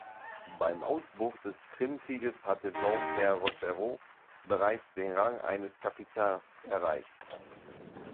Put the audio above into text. Beim Ausbruch des Krimkrieges hatte Denfert-Rochereau bereits den Rang eines Capitaine erreicht.